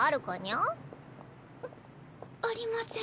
んっありません。